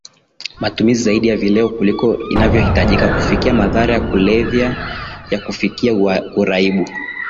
matumizi zaidi ya vileo kuliko inavyohitajika kufikia madhara ya kulevya na kufikia uraibu